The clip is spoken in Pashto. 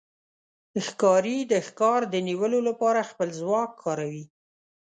ښکاري د ښکار د نیولو لپاره خپل ځواک کاروي.